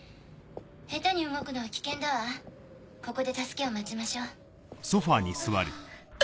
下手に動くのは危険だわここで助けを待ちましょ。